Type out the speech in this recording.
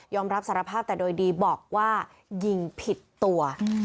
รับสารภาพแต่โดยดีบอกว่ายิงผิดตัว